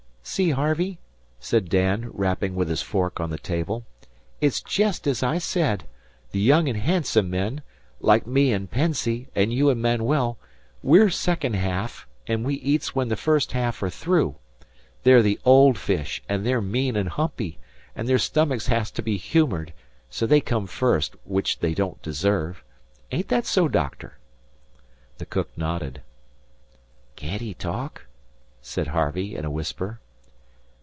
"See, Harvey," said Dan, rapping with his fork on the table, "it's jest as I said. The young an' handsome men like me an' Pennsy an' you an' Manuel we're second ha'af, an' we eats when the first ha'af are through. They're the old fish; an' they're mean an' humpy, an' their stummicks has to be humoured; so they come first, which they don't deserve. Aeneid that so, doctor?" The cook nodded. "Can't he talk?" said Harvey in a whisper.